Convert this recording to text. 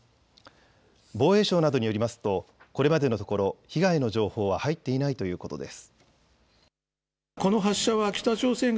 防衛省などによりますとこれまでのところ被害の情報は入っていないということです。